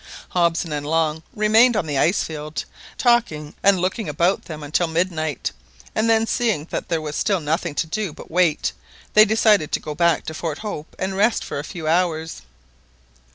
Hobson and Long remained on the ice field talking and looking about them until midnight, and then seeing that there was still nothing to do but to wait, they decided to go back to Fort Hope and rest for a few hours.